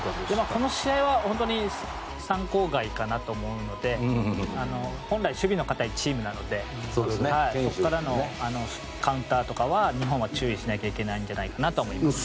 この試合は本当に参考外かなと思うので本来、守備の堅いチームなのでそこからのカウンターとかは日本は注意しないといけないんじゃないかなと思います。